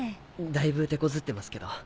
だいぶ手こずってますけど。